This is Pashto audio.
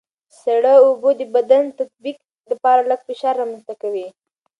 سړه اوبه د بدن د تطبیق لپاره لږ فشار رامنځته کوي.